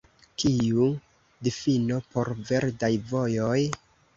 Kiu difino por verdaj vojoj?